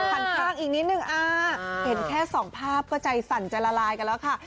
ข้างอีกนิดนึงเห็นแค่สองภาพก็ใจสั่นใจละลายกันแล้วค่ะ